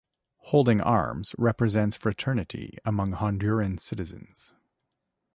Holding arms represent fraternity among Honduran citizens.